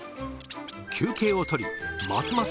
休憩を取りますます